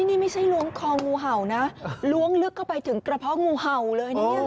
นี่ไม่ใช่ล้วงคองูเห่านะล้วงลึกเข้าไปถึงกระเพาะงูเห่าเลยเนี่ย